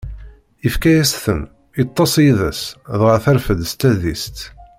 Ifka-as-ten, iṭṭeṣ yid-s, dɣa terfed s tadist.